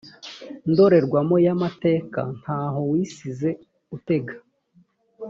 ndorerwamo y amateka ntaho wisize utega